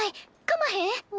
かまへん？